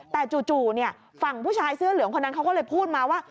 แต่จู่ฝั่งผู้ชายเสื้อเหลืองคนนั้นเขาก็เลยพูดมาว่า